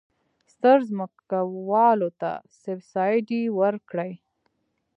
ستر ځمکوالو ته سبسایډي ورکړي.